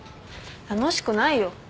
楽しくないよ。